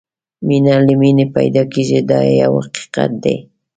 مینه له مینې پیدا کېږي دا یو حقیقت دی.